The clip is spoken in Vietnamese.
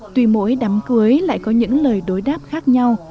tùy mỗi đám cưới lại có những lời đối đáp khác nhau